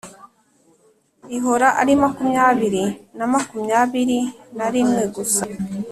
ihora ari makumyabiri na makumyabiri na rimwe gusa